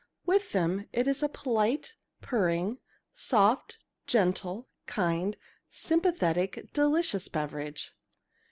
With them it is a polite, purring, soft, gentle, kind, sympathetic, delicious beverage.